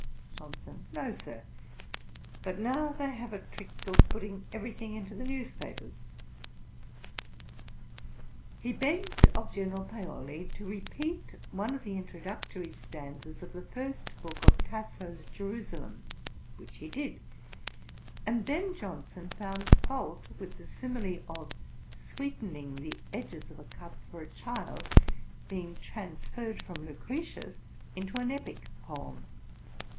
JOHNSON. 'No, Sir; but now they have a trick of putting every thing into the newspapers.' He begged of General Paoli to repeat one of the introductory stanzas of the first book of Tasso's Jerusalem, which he did, and then Johnson found fault with the simile of sweetening the edges of a cup for a child, being transferred from Lucretius into an epick poem.